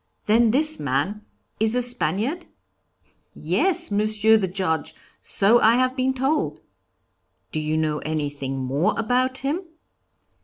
'Then this man is a Spaniard?' 'Yes, Monsieur the Judge, so I have been told.' 'Do you know anything more about him?'